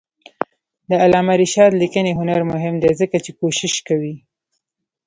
د علامه رشاد لیکنی هنر مهم دی ځکه چې کوشش کوي.